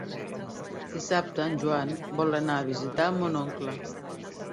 Dissabte en Joan vol anar a visitar mon oncle.